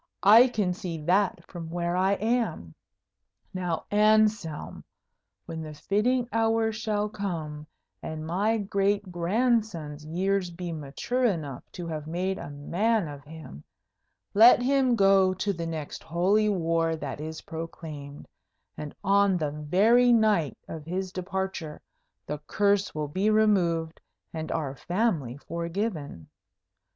I can see that from where I am. Now, Anselm, when the fitting hour shall come, and my great grandson's years be mature enough to have made a man of him, let him go to the next Holy War that is proclaimed, and on the very night of his departure the curse will be removed and our family forgiven.